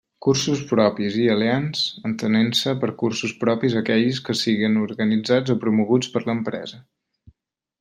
Cursos propis i aliens, entenent-se per cursos propis aquells que siguen organitzats o promoguts per l'empresa.